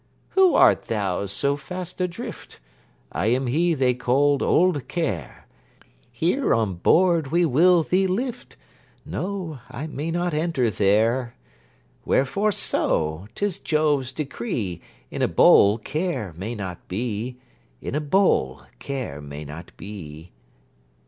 Who art thou, so fast adrift? I am he they call Old Care. Here on board we will thee lift. No: I may not enter there. Wherefore so? 'Tis Jove's decree, In a bowl Care may not be; In a bowl Care may not be.